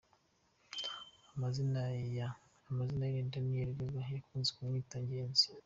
Amazina ye ni Daniel Gaga bakunze kumwita Ngezi.